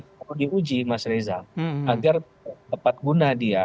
dan itu di uji mas reza agar dapat guna dia